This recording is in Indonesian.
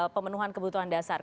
pemenuhan kebutuhan dasarnya